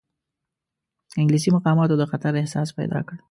انګلیسي مقاماتو د خطر احساس پیدا کړ.